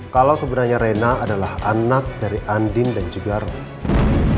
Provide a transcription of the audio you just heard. kalau sebenarnya rena adalah anak dari andin dan juga rena